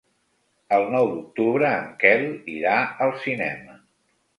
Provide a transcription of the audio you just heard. El nou d'octubre en Quel irà al cinema.